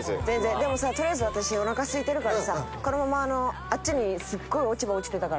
でもさ、とりあえず私、おなかすいてるからさ、このままあっちに、すごい落ち葉落ちてたから。